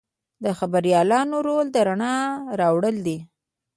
د خبریالانو رول د رڼا راوړل دي.